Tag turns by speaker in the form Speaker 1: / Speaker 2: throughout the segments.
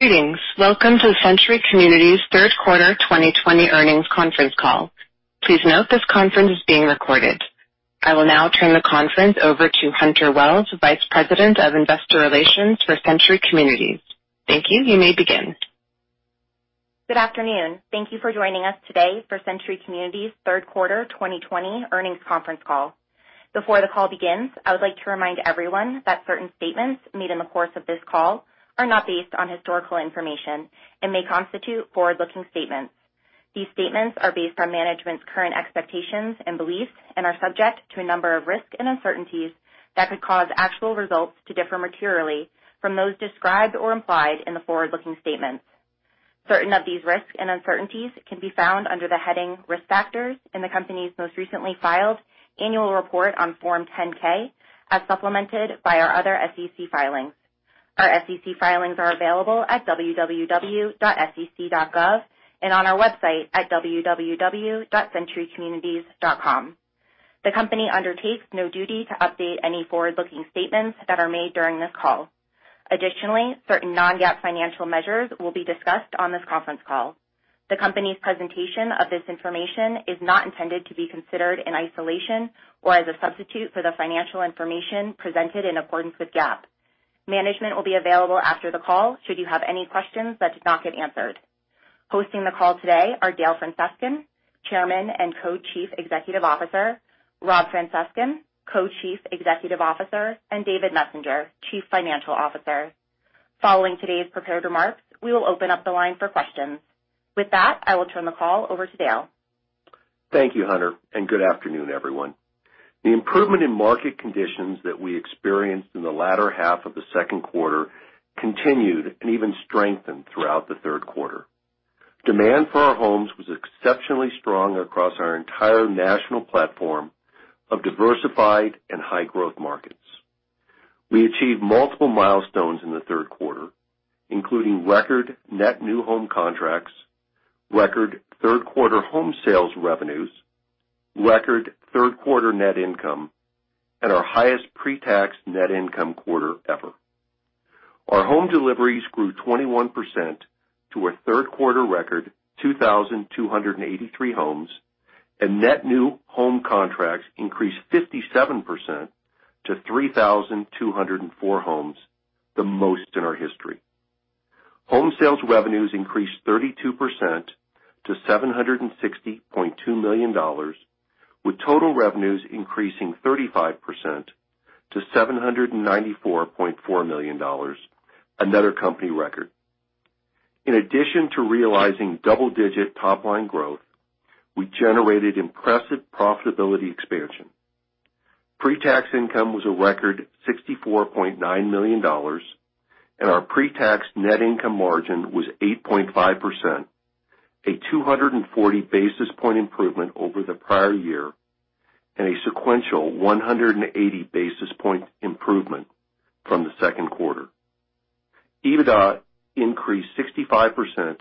Speaker 1: Greetings. Welcome to Century Communities' third quarter 2020 earnings conference call. Please note this conference is being recorded. I will now turn the conference over to Hunter Wells, Vice President of Investor Relations for Century Communities. Thank you. You may begin.
Speaker 2: Good afternoon. Thank you for joining us today for Century Communities' third quarter 2020 earnings conference call. Before the call begins, I would like to remind everyone that certain statements made in the course of this call are not based on historical information and may constitute forward-looking statements. These statements are based on management's current expectations and beliefs and are subject to a number of risks and uncertainties that could cause actual results to differ materially from those described or implied in the forward-looking statements. Certain of these risks and uncertainties can be found under the heading Risk Factors in the company's most recently filed annual report on Form 10-K, as supplemented by our other SEC filings. Our SEC filings are available at www.sec.gov and on our website at www.centurycommunities.com. The company undertakes no duty to update any forward-looking statements that are made during this call. Additionally, certain non-GAAP financial measures will be discussed on this conference call. The company's presentation of this information is not intended to be considered in isolation or as a substitute for the financial information presented in accordance with GAAP. Management will be available after the call should you have any questions that did not get answered. Hosting the call today are Dale Francescon, Chairman and Co-Chief Executive Officer, Rob Francescon, Co-Chief Executive Officer, and David Messenger, Chief Financial Officer. Following today's prepared remarks, we will open up the line for questions. With that, I will turn the call over to Dale.
Speaker 3: Thank you, Hunter, and good afternoon, everyone. The improvement in market conditions that we experienced in the latter half of the second quarter continued and even strengthened throughout the third quarter. Demand for our homes was exceptionally strong across our entire national platform of diversified and high-growth markets. We achieved multiple milestones in the third quarter, including record net new home contracts, record third quarter home sales revenues, record third quarter net income, and our highest pre-tax net income quarter ever. Our home deliveries grew 21% to a third quarter record 2,283 homes, and net new home contracts increased 57% to 3,204 homes, the most in our history. Home sales revenues increased 32% to $760.2 million, with total revenues increasing 35% to $794.4 million, another company record. In addition to realizing double-digit top-line growth, we generated impressive profitability expansion. Pre-tax income was a record $64.9 million, and our pre-tax net income margin was 8.5%, a 240-basis point improvement over the prior year, and a sequential 180-basis point improvement from the second quarter. EBITDA increased 65%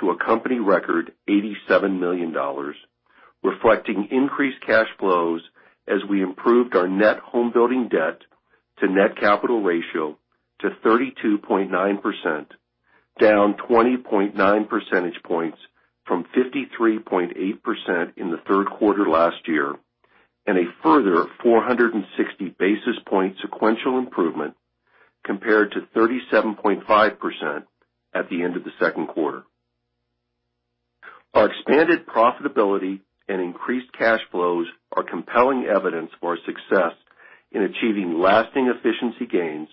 Speaker 3: to a company record $87 million, reflecting increased cash flows as we improved our net homebuilding debt to net capital ratio to 32.9%, down 20.9 percentage points from 53.8% in the third quarter last year, and a further 460-basis point sequential improvement compared to 37.5% at the end of the second quarter. Our expanded profitability and increased cash flows are compelling evidence for our success in achieving lasting efficiency gains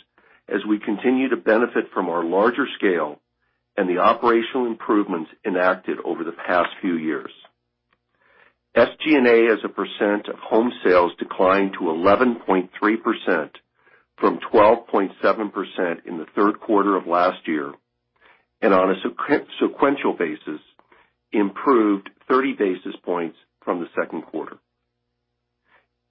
Speaker 3: as we continue to benefit from our larger scale and the operational improvements enacted over the past few years. SG&A as a percent of home sales declined to 11.3% from 12.7% in the third quarter of last year, and on a sequential basis, improved 30 basis points from the second quarter.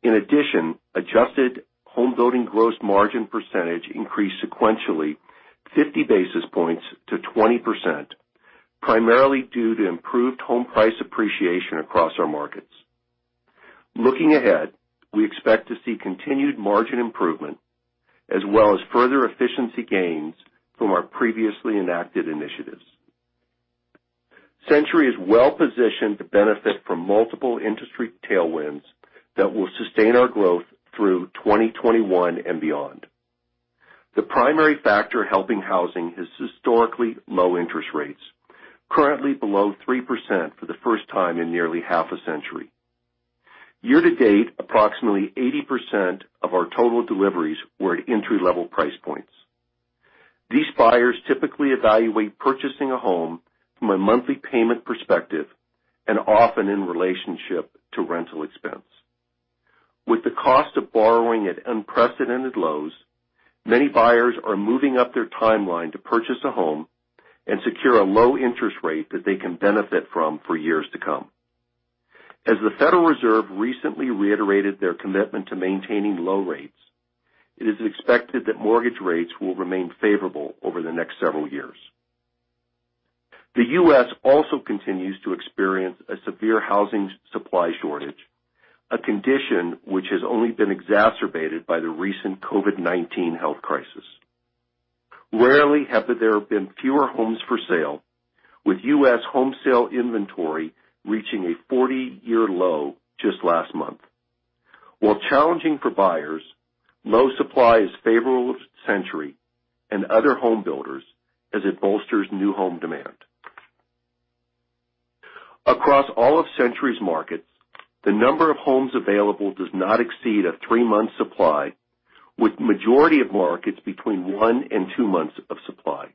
Speaker 3: In addition, adjusted homebuilding gross margin percentage increased sequentially 50 basis points to 20%, primarily due to improved home price appreciation across our markets. Looking ahead, we expect to see continued margin improvement as well as further efficiency gains from our previously enacted initiatives. Century is well-positioned to benefit from multiple industry tailwinds that will sustain our growth through 2021 and beyond. The primary factor helping housing is historically low-interest rates, currently below 3% for the first time in nearly half a century. Year-to-date, approximately 80% of our total deliveries were at entry-level price points. These buyers typically evaluate purchasing a home from a monthly payment perspective and often in relationship to rental expense. With the cost of borrowing at unprecedented lows, many buyers are moving up their timeline to purchase a home and secure a low-interest rate that they can benefit from for years to come. As the Federal Reserve recently reiterated their commitment to maintaining low rates, it is expected that mortgage rates will remain favorable over the next several years. The U.S. also continues to experience a severe housing supply shortage, a condition which has only been exacerbated by the recent COVID-19 health crisis. Rarely have there been fewer homes for sale, with U.S. home sale inventory reaching a 40-year low just last month. While challenging for buyers, low supply is favorable to Century and other home builders, as it bolsters new home demand. Across all of Century's markets, the number of homes available does not exceed a three-month supply, with majority of markets between one and two months of supply.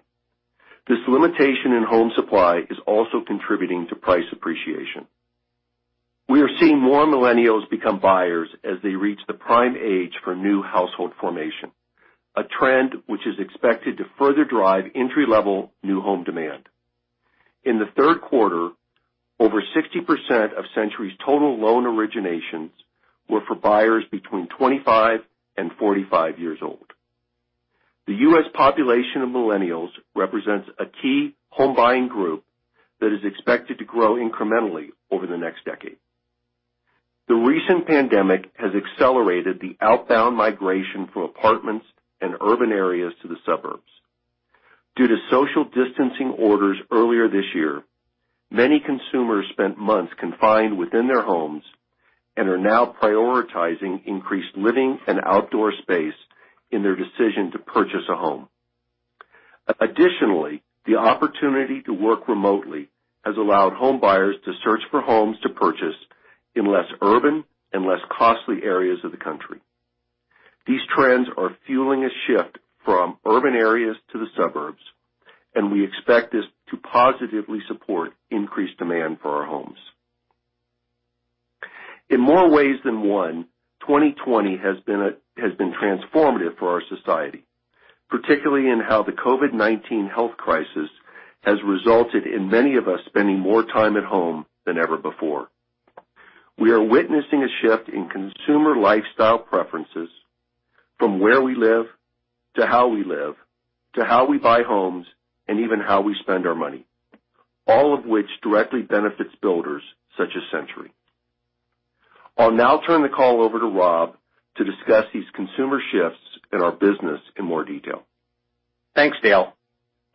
Speaker 3: This limitation in home supply is also contributing to price appreciation. We are seeing more millennials become buyers as they reach the prime age for new household formation, a trend which is expected to further drive entry-level new home demand. In the third quarter, over 60% of Century's total loan originations were for buyers between 25 and 45 years old. The U.S. population of millennials represents a key home buying group that is expected to grow incrementally over the next decade. The recent pandemic has accelerated the outbound migration for apartments and urban areas to the suburbs. Due to social distancing orders earlier this year, many consumers spent months confined within their homes and are now prioritizing increased living and outdoor space in their decision to purchase a home. Additionally, the opportunity to work remotely has allowed home buyers to search for homes to purchase in less urban and less costly areas of the country. These trends are fueling a shift from urban areas to the suburbs, and we expect this to positively support increased demand for our homes. In more ways than one, 2020 has been transformative for our society, particularly in how the COVID-19 health crisis has resulted in many of us spending more time at home than ever before. We are witnessing a shift in consumer lifestyle preferences, from where we live, to how we live, to how we buy homes, and even how we spend our money, all of which directly benefits builders such as Century. I'll now turn the call over to Rob to discuss these consumer shifts and our business in more detail.
Speaker 4: Thanks, Dale.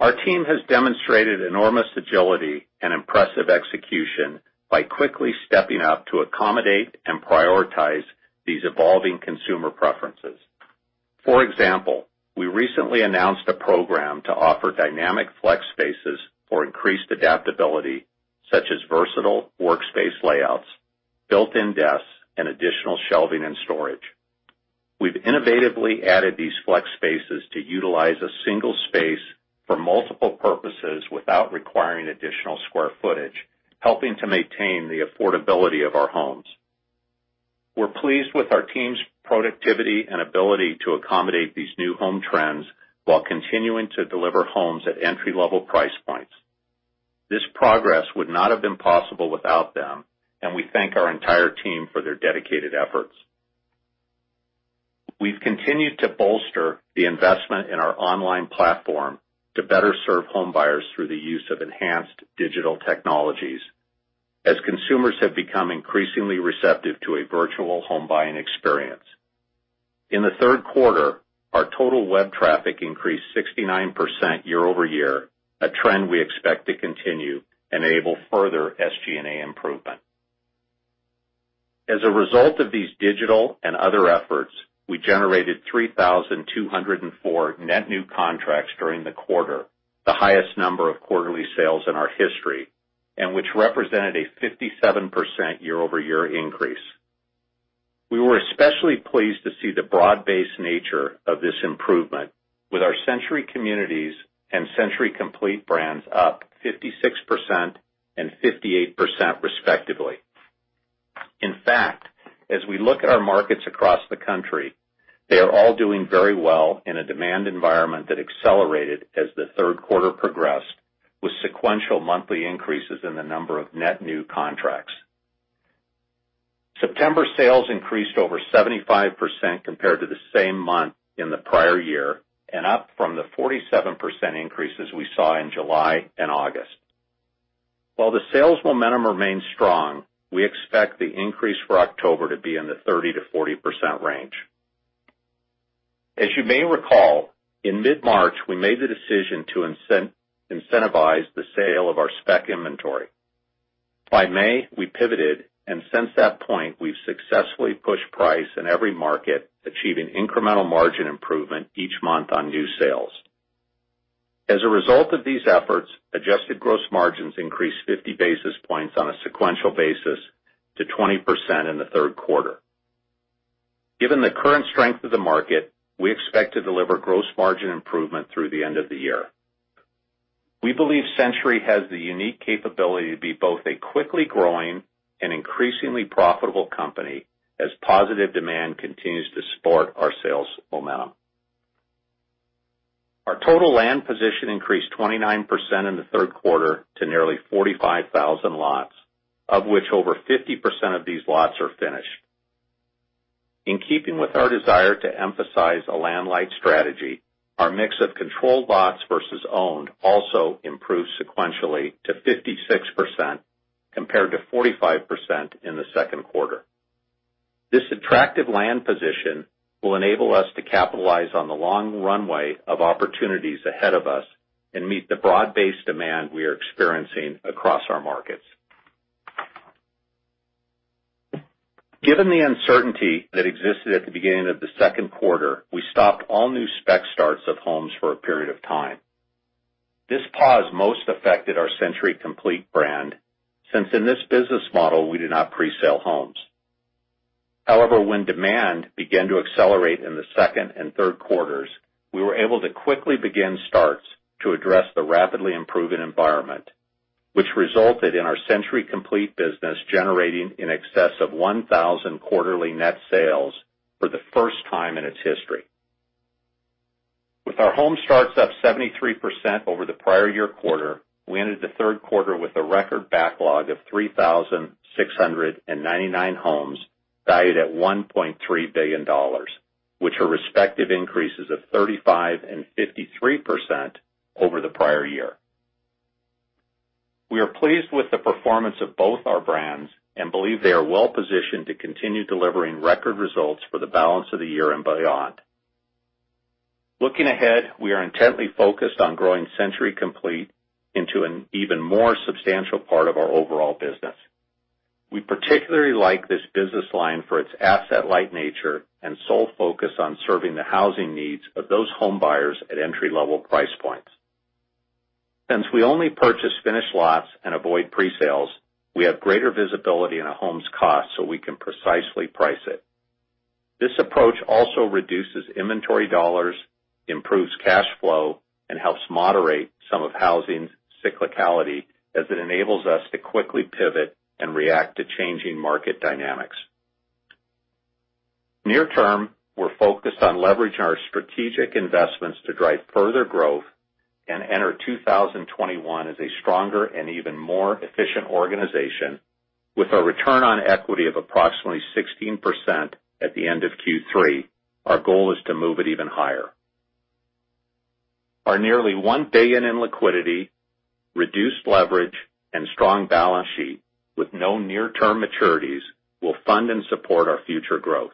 Speaker 4: Our team has demonstrated enormous agility and impressive execution by quickly stepping up to accommodate and prioritize these evolving consumer preferences. For example, we recently announced a program to offer dynamic flex spaces for increased adaptability, such as versatile workspace layouts, built-in desks, and additional shelving and storage. We've innovatively added these flex spaces to utilize a single space for multiple purposes without requiring additional square footage, helping to maintain the affordability of our homes. We're pleased with our team's productivity and ability to accommodate these new home trends while continuing to deliver homes at entry-level price points. This progress would not have been possible without them, and we thank our entire team for their dedicated efforts. We've continued to bolster the investment in our online platform to better serve home buyers through the use of enhanced digital technologies, as consumers have become increasingly receptive to a virtual home buying experience. In the third quarter, our total web traffic increased 69% year-over-year, a trend we expect to continue and enable further SG&A improvement. As a result of these digital and other efforts, we generated 3,204 net new contracts during the quarter, the highest number of quarterly sales in our history, and which represented a 57% year-over-year increase. We were especially pleased to see the broad-based nature of this improvement with our Century Communities and Century Complete brands up 56% and 58% respectively. In fact, as we look at our markets across the country, they are all doing very well in a demand environment that accelerated as the third quarter progressed with sequential monthly increases in the number of net new contracts. September sales increased over 75% compared to the same month in the prior year, and up from the 47% increases we saw in July and August. While the sales momentum remains strong, we expect the increase for October to be in the 30%-40% range. As you may recall, in mid-March, we made the decision to incentivize the sale of our spec inventory. By May, we pivoted, and since that point, we've successfully pushed price in every market, achieving incremental margin improvement each month on new sales. As a result of these efforts, adjusted gross margins increased 50 basis points on a sequential basis to 20% in the third quarter. Given the current strength of the market, we expect to deliver gross margin improvement through the end of the year. We believe Century has the unique capability to be both a quickly growing and increasingly profitable company as positive demand continues to support our sales momentum. Our total land position increased 29% in the third quarter to nearly 45,000 lots, of which over 50% of these lots are finished. In keeping with our desire to emphasize a land-light strategy, our mix of controlled lots versus owned also improved sequentially to 56%, compared to 45% in the second quarter. This attractive land position will enable us to capitalize on the long runway of opportunities ahead of us and meet the broad-based demand we are experiencing across our markets. Given the uncertainty that existed at the beginning of the second quarter, we stopped all new spec starts of homes for a period of time. This pause most affected our Century Complete brand, since in this business model, we do not pre-sale homes. However, when demand began to accelerate in the second and third quarters, we were able to quickly begin starts to address the rapidly improving environment, which resulted in our Century Complete business generating in excess of 1,000 quarterly net sales for the first time in its history. With our home starts up 73% over the prior year quarter, we entered the third quarter with a record backlog of 3,699 homes valued at $1.3 billion, which are respective increases of 35% and 53% over the prior year. We are pleased with the performance of both our brands and believe they are well-positioned to continue delivering record results for the balance of the year and beyond. Looking ahead, we are intently focused on growing Century Complete into an even more substantial part of our overall business. We particularly like this business line for its asset-light nature and sole focus on serving the housing needs of those home buyers at entry-level price points. Since we only purchase finished lots and avoid pre-sales, we have greater visibility in a home's cost so we can precisely price it. This approach also reduces inventory dollars, improves cash flow, and helps moderate some of housing's cyclicality as it enables us to quickly pivot and react to changing market dynamics. Near term, we're focused on leveraging our strategic investments to drive further growth and enter 2021 as a stronger and even more efficient organization with our return on equity of approximately 16% at the end of Q3. Our goal is to move it even higher. Our nearly $1 billion in liquidity, reduced leverage, and strong balance sheet with no near-term maturities will fund and support our future growth.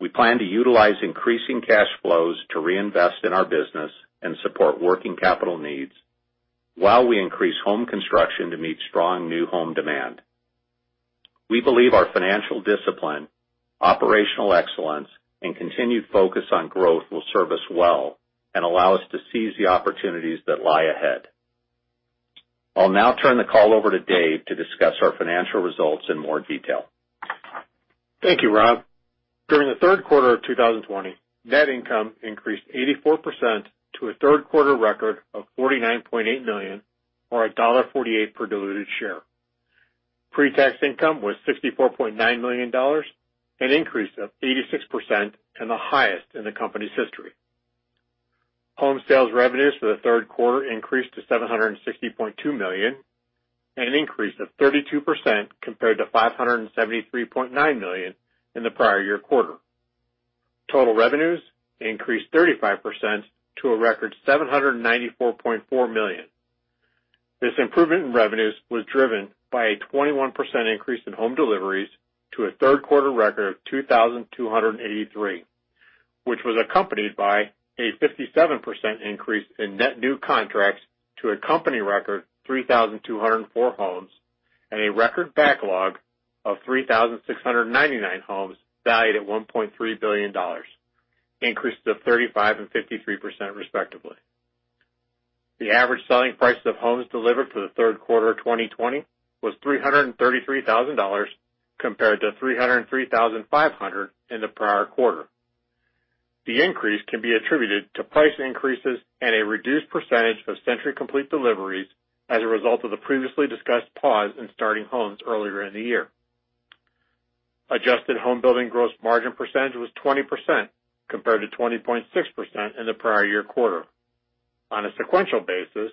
Speaker 4: We plan to utilize increasing cash flows to reinvest in our business and support working capital needs while we increase home construction to meet strong new home demand. We believe our financial discipline, operational excellence, and continued focus on growth will serve us well and allow us to seize the opportunities that lie ahead. I'll now turn the call over to Dave to discuss our financial results in more detail.
Speaker 5: Thank you, Rob. During the third quarter of 2020, net income increased 84% to a third-quarter record of $49.8 million or $1.48 per diluted share. Pre-tax income was $64.9 million, an increase of 86% and the highest in the company's history. Home sales revenues for the third quarter increased to $760.2 million, an increase of 32% compared to $573.9 million in the prior year quarter. Total revenues increased 35% to a record $794.4 million. This improvement in revenues was driven by a 21% increase in home deliveries to a third-quarter record of 2,283, which was accompanied by a 57% increase in net new contracts to a company record 3,204 homes and a record backlog of 3,699 homes valued at $1.3 billion, increases of 35% and 53%, respectively. The average selling price of homes delivered for the third quarter of 2020 was $333,000, compared to $303,500 in the prior quarter. The increase can be attributed to price increases and a reduced percentage of Century Complete deliveries as a result of the previously discussed pause in starting homes earlier in the year. adjusted homebuilding gross margin percentage was 20%, compared to 20.6% in the prior year quarter. On a sequential basis,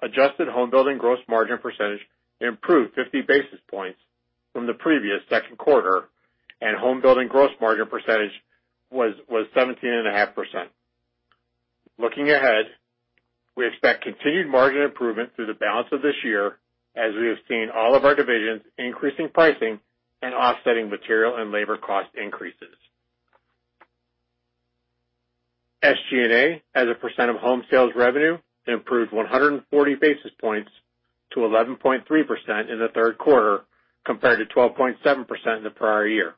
Speaker 5: adjusted homebuilding gross margin percentage improved 50 basis points from the previous second quarter, and homebuilding gross margin percentage was 17.5%. Looking ahead, we expect continued margin improvement through the balance of this year as we have seen all of our divisions increasing pricing and offsetting material and labor cost increases. SG&A, as a % of home sales revenue, improved 140 basis points to 11.3% in the third quarter, compared to 12.7% in the prior year.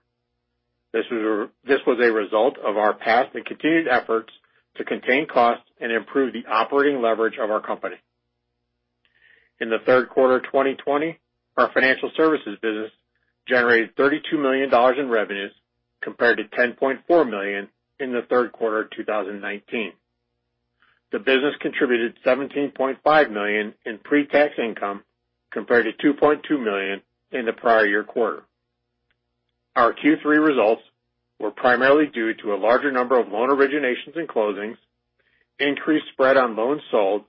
Speaker 5: This was a result of our past and continued efforts to contain costs and improve the operating leverage of our company. In the third quarter of 2020, our financial services business generated $32 million in revenues, compared to $10.4 million in the third quarter of 2019. The business contributed $17.5 million in pre-tax income, compared to $2.2 million in the prior year quarter. Our Q3 results were primarily due to a larger number of loan originations and closings. Increased spread on loans sold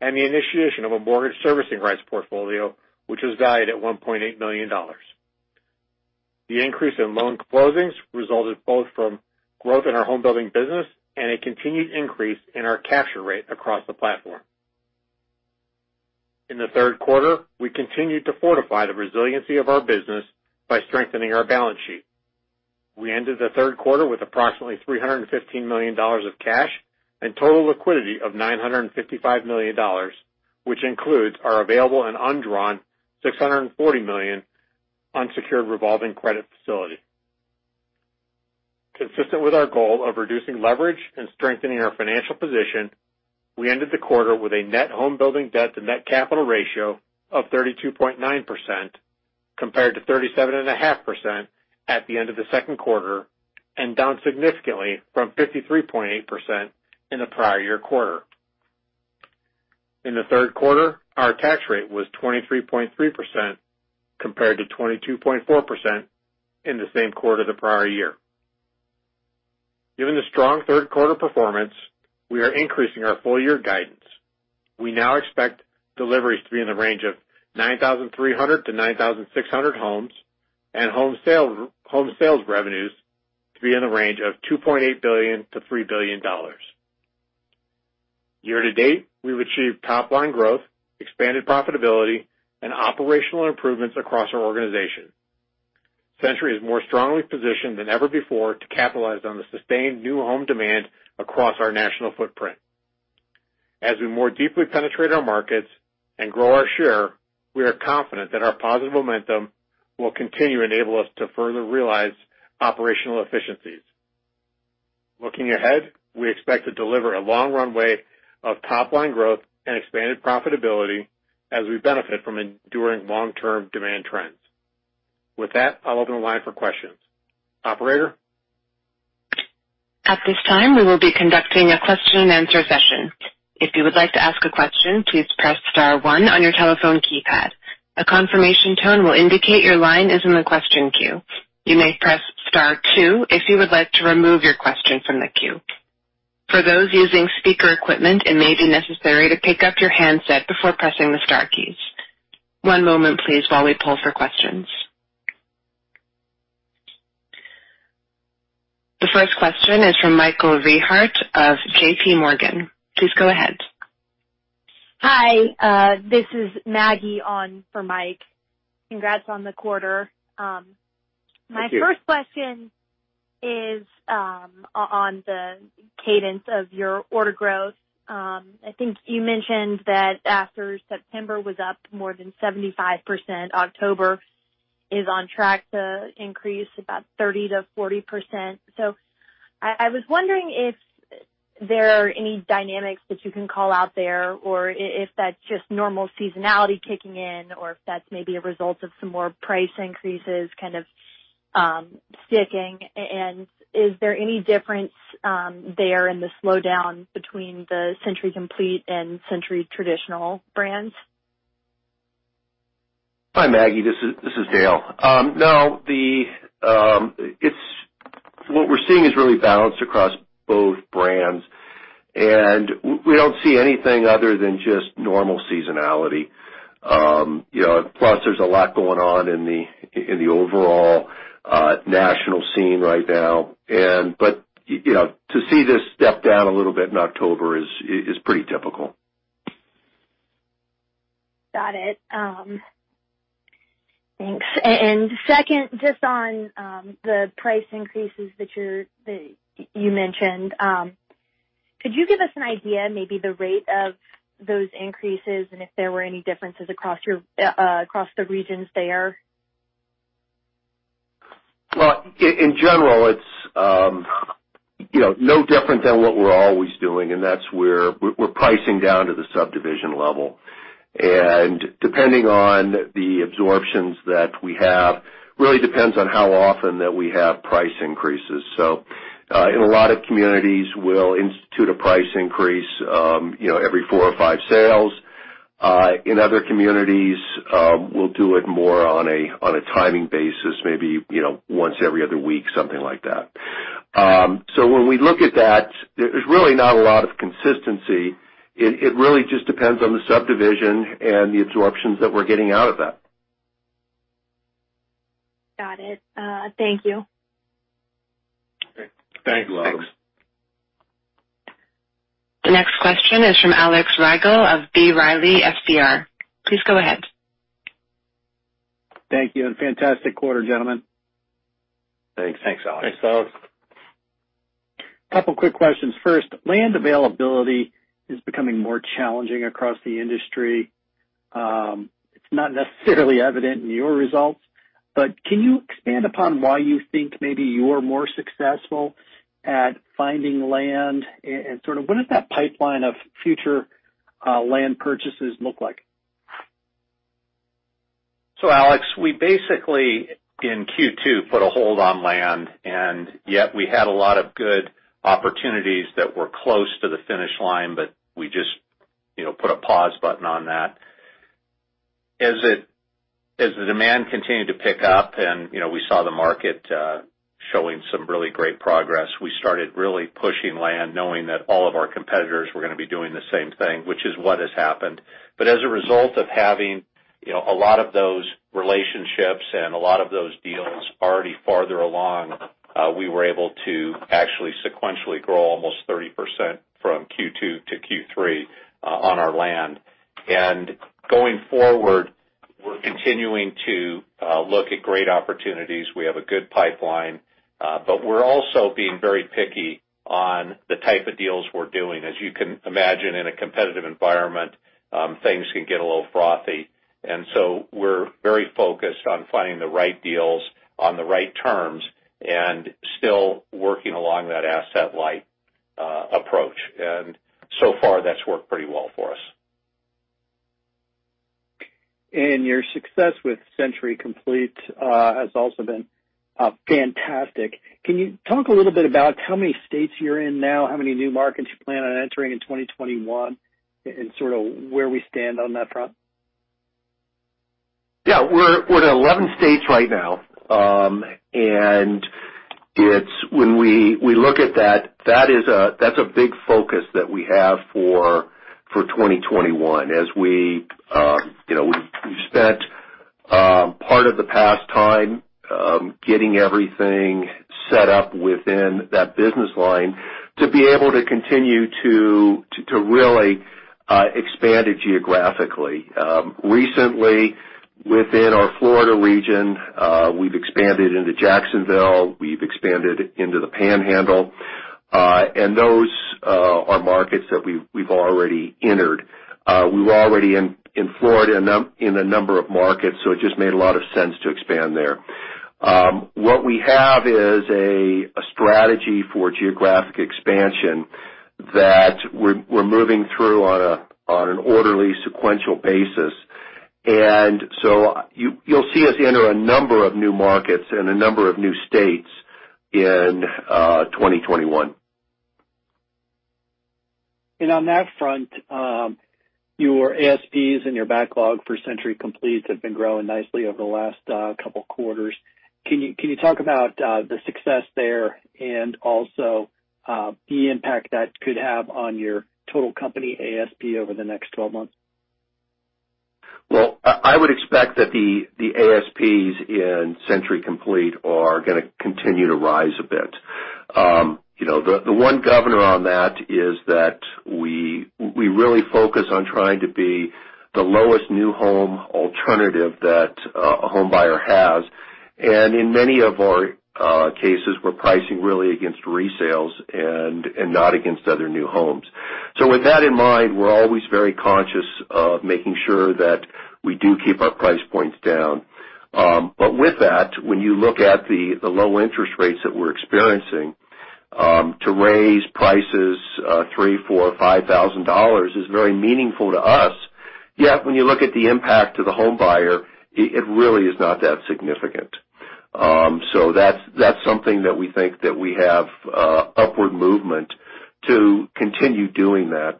Speaker 5: and the initiation of a mortgage servicing rights portfolio, which was valued at $1.8 million. The increase in loan closings resulted both from growth in our homebuilding business and a continued increase in our capture rate across the platform. In the third quarter, we continued to fortify the resiliency of our business by strengthening our balance sheet. We ended the third quarter with approximately $315 million of cash and total liquidity of $955 million, which includes our available and undrawn $640 million unsecured revolving credit facility. Consistent with our goal of reducing leverage and strengthening our financial position, we ended the quarter with a net homebuilding debt to net capital ratio of 32.9%, compared to 37.5% at the end of the second quarter, and down significantly from 53.8% in the prior year quarter. In the third quarter, our tax rate was 23.3%, compared to 22.4% in the same quarter the prior year. Given the strong third quarter performance, we are increasing our full-year guidance. We now expect deliveries to be in the range of 9,300-9,600 homes, and home sales revenues to be in the range of $2.8 billion-$3 billion. Year-to-date, we've achieved top-line growth, expanded profitability, and operational improvements across our organization. Century Communities is more strongly positioned than ever before to capitalize on the sustained new home demand across our national footprint. As we more deeply penetrate our markets and grow our share, we are confident that our positive momentum will continue to enable us to further realize operational efficiencies. Looking ahead, we expect to deliver a long runway of top-line growth and expanded profitability as we benefit from enduring long-term demand trends. With that, I'll open the line for questions. Operator?
Speaker 1: At this time, we will be conducting a question and answer session. If you would like to ask a question, please press star one on your telephone keypad. The confirmation tone will indicate your line is in the question queue. You may press star two if you would like to remove your question from the queue. For those using speaker equipment, it may be necessary to pick up your handset before pressing the star key. One moment, please, while we poll for questions. The first question is from Michael Rehaut of JPMorgan. Please go ahead.
Speaker 6: Hi. This is Maggie on for Mike. Congrats on the quarter.
Speaker 3: Thank you.
Speaker 6: My first question is on the cadence of your order growth. I think you mentioned that after September was up more than 75%, October is on track to increase about 30%-40%. I was wondering if there are any dynamics that you can call out there, or if that's just normal seasonality kicking in, or if that's maybe a result of some more price increases kind of sticking. And is there any difference there in the slowdown between the Century Complete and Century Communities brands?
Speaker 3: Hi, Maggie. This is Dale. No, what we're seeing is really balanced across both brands, and we don't see anything other than just normal seasonality. Plus, there's a lot going on in the overall national scene right now. To see this step down a little bit in October is pretty typical.
Speaker 6: Got it. Thanks. Second, just on the price increases that you mentioned. Could you give us an idea, maybe the rate of those increases and if there were any differences across the regions there?
Speaker 3: In general, it's no different than what we're always doing, and that's we're pricing down to the subdivision level. Depending on the absorptions that we have, really depends on how often that we have price increases. In a lot of communities, we'll institute a price increase every four or five sales. In other communities, we'll do it more on a timing basis, maybe once every other week, something like that. When we look at that, there's really not a lot of consistency. It really just depends on the subdivision and the absorptions that we're getting out of that.
Speaker 6: Got it. Thank you.
Speaker 3: Okay. Thanks, Maggie.
Speaker 1: The next question is from Alex Rygiel of B. Riley Securities. Please go ahead.
Speaker 7: Thank you. Fantastic quarter, gentlemen.
Speaker 3: Thanks, Alex.
Speaker 4: Thanks, Alex.
Speaker 7: A couple of quick questions. First, land availability is becoming more challenging across the industry. It's not necessarily evident in your results, but can you expand upon why you think maybe you're more successful at finding land, and sort of what does that pipeline of future land purchases look like?
Speaker 5: Alex, we basically in Q2 put a hold on land, and yet we had a lot of good opportunities that were close to the finish line, but we just put a pause button on that. As the demand continued to pick up and we saw the market showing some really great progress, we started really pushing land, knowing that all of our competitors were going to be doing the same thing, which is what has happened.
Speaker 4: As a result of having a lot of those relationships and a lot of those deals already farther along, we were able to actually sequentially grow almost 30% from Q2-Q3 on our land. Going forward, we're continuing to look at great opportunities. We have a good pipeline, but we're also being very picky on the type of deals we're doing. As you can imagine, in a competitive environment, things can get a little frothy, we're very focused on finding the right deals on the right terms and still working along that asset-light approach. So far, that's worked pretty well for us.
Speaker 7: Your success with Century Complete has also been fantastic. Can you talk a little bit about how many states you're in now, how many new markets you plan on entering in 2021, and sort of where we stand on that front?
Speaker 4: Yeah. We're in 11 states right now. When we look at that's a big focus that we have for 2021. We've spent part of the past time getting everything set up within that business line to be able to continue to really expand it geographically. Recently, within our Florida region, we've expanded into Jacksonville, we've expanded into the Panhandle, and those are markets that we've already entered. We were already in Florida in a number of markets, so it just made a lot of sense to expand there. What we have is a strategy for geographic expansion that we're moving through on an orderly sequential basis. You'll see us enter a number of new markets and a number of new states in 2021.
Speaker 7: On that front, your ASPs and your backlog for Century Complete have been growing nicely over the last couple of quarters. Can you talk about the success there and also the impact that could have on your total company ASP over the next 12 months?
Speaker 4: Well, I would expect that the ASPs in Century Complete are going to continue to rise a bit. The one governor on that is that we really focus on trying to be the lowest new home alternative that a homebuyer has. In many of our cases, we're pricing really against resales and not against other new homes. With that in mind, we're always very conscious of making sure that we do keep our price points down. With that, when you look at the low interest rates that we're experiencing, to raise prices $3,000, $4,000, $5,000 is very meaningful to us. When you look at the impact to the homebuyer, it really is not that significant. That's something that we think that we have upward movement to continue doing that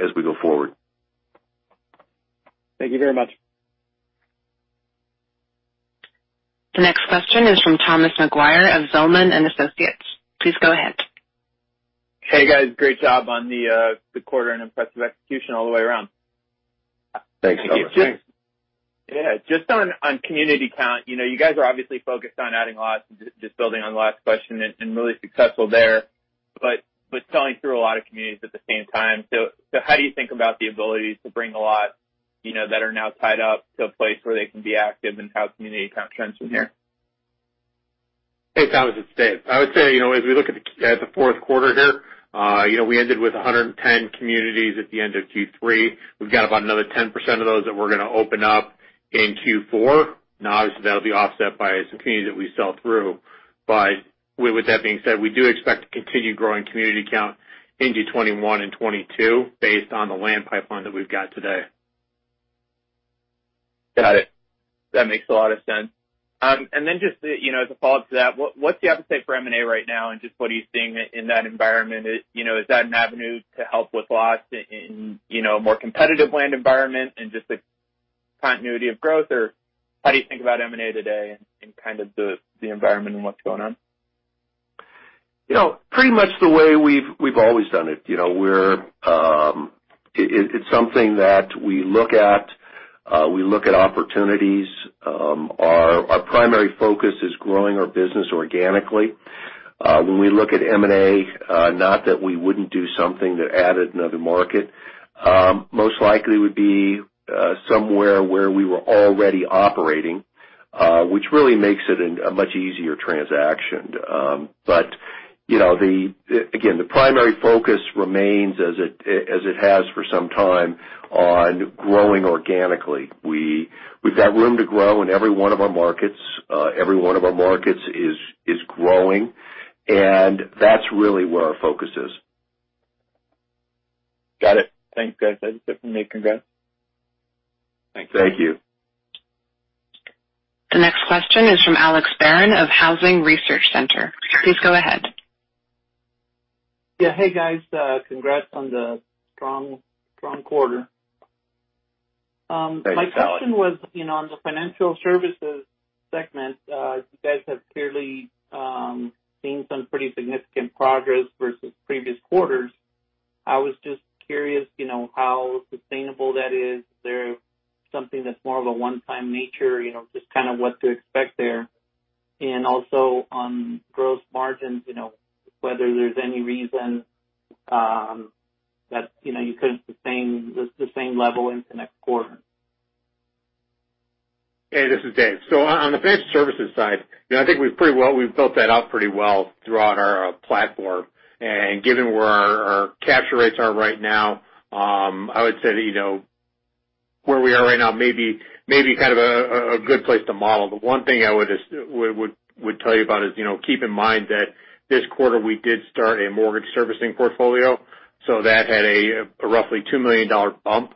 Speaker 4: as we go forward.
Speaker 7: Thank you very much.
Speaker 1: The next question is from Thomas Maguire of Zelman & Associates. Please go ahead.
Speaker 8: Hey, guys. Great job on the quarter and impressive execution all the way around.
Speaker 4: Thanks. Thank you.
Speaker 8: Yeah. Just on community count. You guys are obviously focused on adding lots, just building on the last question, and really successful there, but selling through a lot of communities at the same time. How do you think about the ability to bring a lot that are now tied up to a place where they can be active and how community count trends from here?
Speaker 5: Hey, Thomas, it's Dave. I would say, as we look at the fourth quarter here, we ended with 110 communities at the end of Q3. We've got about another 10% of those that we're going to open up in Q4. Obviously, that'll be offset by some communities that we sell through. With that being said, we do expect to continue growing community count into 2021 and 2022 based on the land pipeline that we've got today.
Speaker 8: Got it. That makes a lot of sense. Just as a follow-up to that, what's the appetite for M&A right now, and just what are you seeing in that environment? Is that an avenue to help with lots in a more competitive land environment and just the continuity of growth, or how do you think about M&A today and kind of the environment and what's going on?
Speaker 4: Pretty much the way we've always done it. It's something that we look at. We look at opportunities. Our primary focus is growing our business organically. When we look at M&A, not that we wouldn't do something that added another market. Most likely would be somewhere where we were already operating, which really makes it a much easier transaction. Again, the primary focus remains, as it has for some time, on growing organically. We've got room to grow in every one of our markets. Every one of our markets is growing, and that's really where our focus is.
Speaker 8: Got it. Thanks, guys. That's it for me. Congrats.
Speaker 4: Thank you.
Speaker 1: The next question is from Alex Barron of Housing Research Center. Please go ahead.
Speaker 9: Yeah. Hey, guys. Congrats on the strong quarter.
Speaker 3: Thanks, Alex.
Speaker 9: My question was, on the financial services segment, you guys have clearly seen some pretty significant progress versus previous quarters. I was just curious, how sustainable that is. Is there something that's more of a one-time nature, just kind of what to expect there? Also on gross margins, whether there's any reason that you couldn't sustain the same level into next quarter.
Speaker 5: Hey, this is Dave. On the financial services side, I think we've built that out pretty well throughout our platform. Given where our capture rates are right now, I would say that where we are right now may be kind of a good place to model. The one thing I would tell you about is, keep in mind that this quarter we did start a mortgage servicing portfolio, so that had a roughly $2 million bump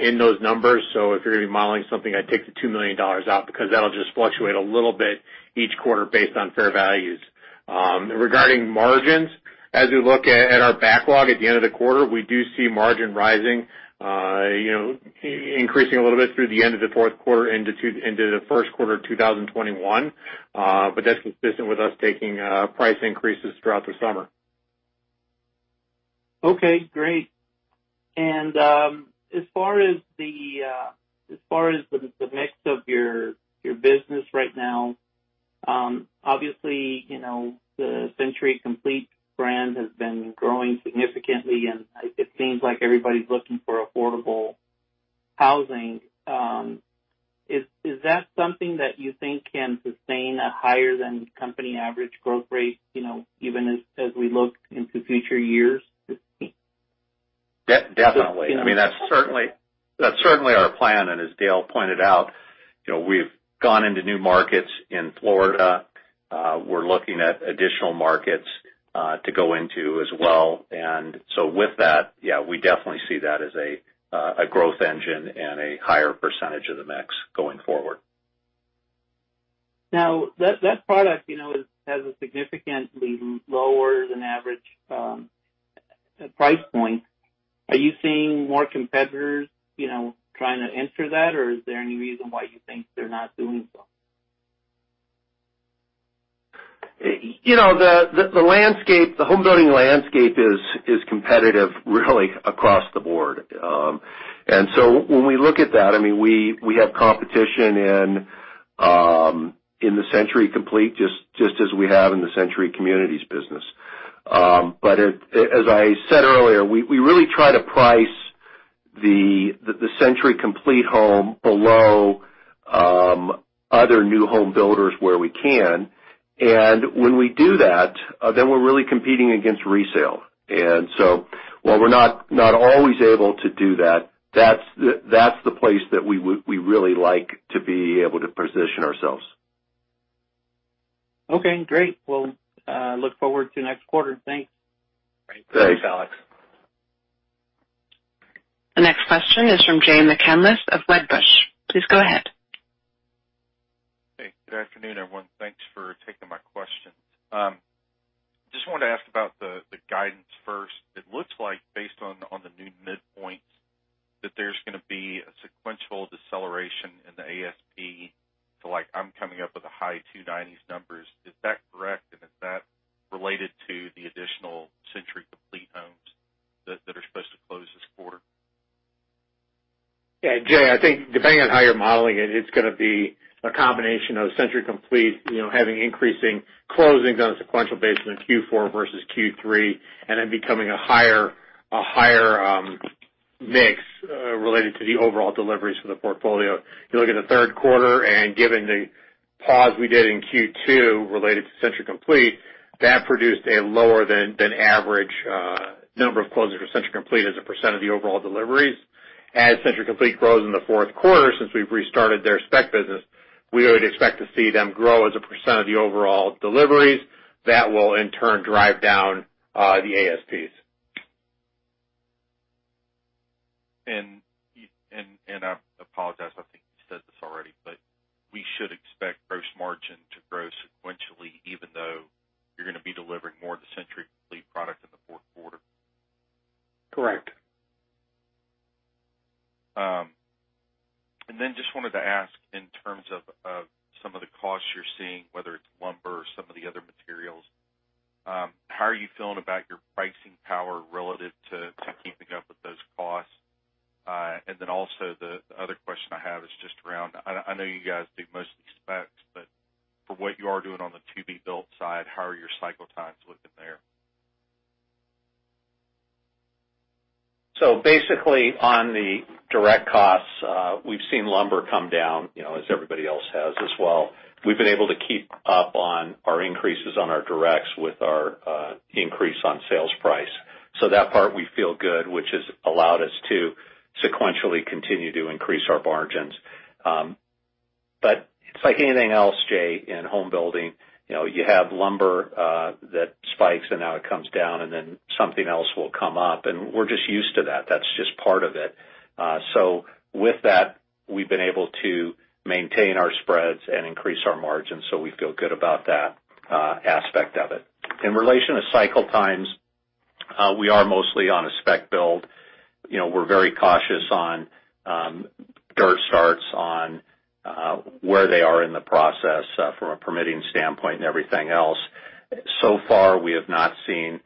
Speaker 5: in those numbers. If you're going to be modeling something, I'd take the $2 million out because that'll just fluctuate a little bit each quarter based on fair values. Regarding margins, as we look at our backlog at the end of the quarter, we do see margin rising, increasing a little bit through the end of the fourth quarter into the first quarter of 2021. That's consistent with us taking price increases throughout the summer.
Speaker 9: Okay, great. As far as the mix of your business right now, obviously, the Century Complete brand has been growing significantly, and it seems like everybody's looking for affordable housing. Is that something that you think can sustain a higher-than-company average growth rate, even as we look into future years?
Speaker 4: Definitely. That's certainly our plan. As Dale pointed out, we've gone into new markets in Florida. We're looking at additional markets to go into as well. With that, yeah, we definitely see that as a growth engine and a higher percentage of the mix going forward.
Speaker 9: Now, that product has a significantly lower-than-average price point. Are you seeing more competitors trying to enter that, or is there any reason why you think they're not doing so?
Speaker 4: The home building landscape is competitive really across the board. When we look at that, we have competition in the Century Complete just as we have in the Century Communities business. As I said earlier, we really try to price the Century Complete home below other new home builders where we can. When we do that, then we're really competing against resale. While we're not always able to do that's the place that we really like to be able to position ourselves.
Speaker 9: Okay, great. Well, look forward to next quarter. Thanks.
Speaker 4: Thanks. Thanks, Alex.
Speaker 1: The next question is from Jay McCanless of Wedbush. Please go ahead.
Speaker 10: Hey, good afternoon, everyone. Thanks for taking my questions. Just wanted to ask about the guidance first. It looks like based on the new midpoints that there's going to be a sequential deceleration in the ASP to like, I'm coming up with a high 290s numbers. Is that correct? And is that related to the additional Century Complete homes that are supposed to close this quarter?
Speaker 5: Yeah, Jay, I think depending on how you're modeling it's going to be a combination of Century Complete having increasing closings on a sequential basis in Q4 versus Q3, and then becoming a higher mix related to the overall deliveries for the portfolio. If you look at the third quarter and given the pause we did in Q2 related to Century Complete, that produced a lower than average number of closings for Century Complete as a percent of the overall deliveries. As Century Complete grows in the fourth quarter, since we've restarted their spec business, we would expect to see them grow as a percent of the overall deliveries. That will in turn drive down the ASPs.
Speaker 10: I apologize, I think you said this already, we should expect gross margin to grow sequentially, even though you're going to be delivering more of the Century Complete product in the fourth quarter?
Speaker 5: Correct.
Speaker 10: Just wanted to ask in terms of some of the costs you're seeing, whether it's lumber or some of the other materials, how are you feeling about your pricing power relative to keeping up with those costs? Also the other question I have is just around, I know you guys do most of these specs, but for what you are doing on the to-be built side, how are your cycle times looking there?
Speaker 3: Basically, on the direct costs, we've seen lumber come down, as everybody else has as well. We've been able to keep up on our increases on our directs with our increase on sales price. That part we feel good, which has allowed us to sequentially continue to increase our margins. It's like anything else, Jay, in homebuilding, you have lumber that spikes and now it comes down, and then something else will come up, and we're just used to that. That's just part of it.
Speaker 4: With that, we've been able to maintain our spreads and increase our margins, so we feel good about that aspect of it. In relation to cycle times, we are mostly on a spec build. We're very cautious on dirt starts, on where they are in the process from a permitting standpoint and everything else. So far, we have not seen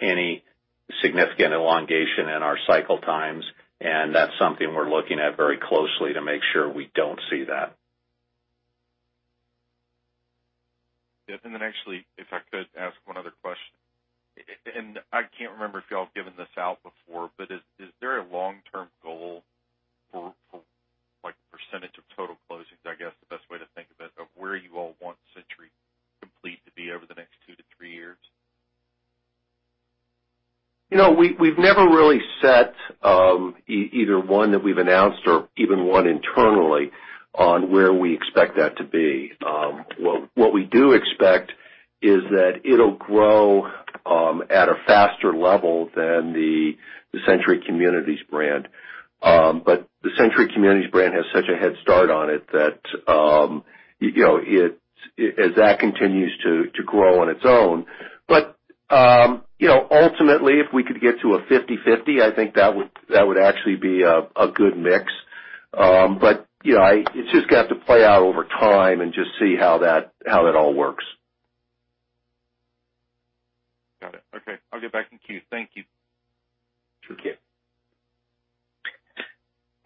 Speaker 4: any significant elongation in our cycle times, and that's something we're looking at very closely to make sure we don't see that.
Speaker 10: Yeah. Actually, if I could ask one other question, I can't remember if you all have given this out before, is there a long-term goal for percentage of total closings, I guess, the best way to think of it, of where you all want Century Complete to be over the next two to three years?
Speaker 4: We've never really set, either one that we've announced or even one internally, on where we expect that to be. What we do expect is that it'll grow at a faster level than the Century Communities brand. The Century Communities brand has such a head start on it that as that continues to grow on its own. Ultimately, if we could get to a 50/50, I think that would actually be a good mix. It's just got to play out over time and just see how that all works.
Speaker 10: Got it. Okay. I'll get back in queue. Thank you.
Speaker 4: Sure can.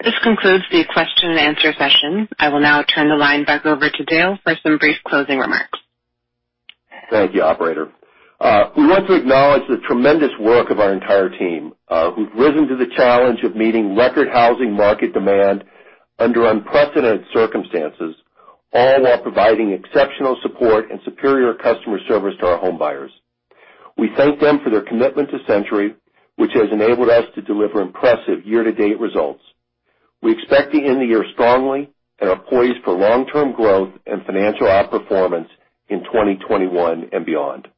Speaker 1: This concludes the question and answer session. I will now turn the line back over to Dale for some brief closing remarks.
Speaker 3: Thank you, operator. We want to acknowledge the tremendous work of our entire team, who've risen to the challenge of meeting record housing market demand under unprecedented circumstances, all while providing exceptional support and superior customer service to our home buyers. We thank them for their commitment to Century, which has enabled us to deliver impressive year-to-date results. We expect to end the year strongly and are poised for long-term growth and financial outperformance in 2021 and beyond.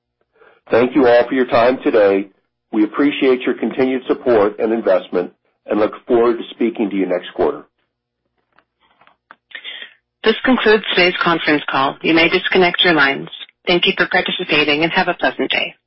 Speaker 3: Thank you all for your time today. We appreciate your continued support and investment and look forward to speaking to you next quarter.
Speaker 1: This concludes today's conference call. You may disconnect your lines. Thank you for participating, and have a pleasant day.